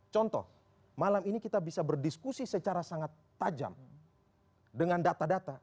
contoh malam ini kita bisa berdiskusi secara sangat tajam dengan data data